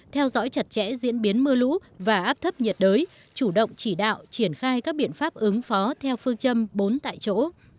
theo dõi chặt chẽ diễn biến mưa lũ và áp thấp nhiệt đới chủ động chỉ đạo triển khai các biện pháp ứng phó theo phương châm bốn tại chỗ